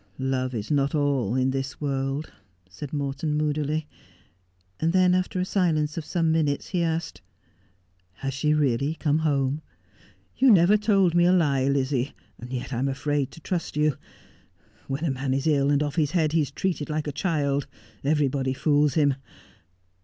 ' Love is not all in this world,' said Morton moodily. And then, after a silence of some minutes, he asked :—' Has she really come home ? You never told me a lie, Lizzie, yet I'm afraid to trust you. When a man is ill and off his head he is treated like a child — everybody fools him.